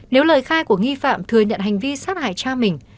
nếu lời khai của nghi phạm thừa nhận hành vi sát hại cha mình